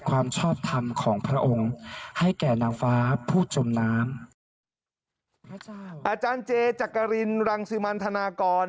อาจารย์เจจักรินรังสิมันธนากร